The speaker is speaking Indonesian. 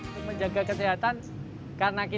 untuk menjaga kesehatan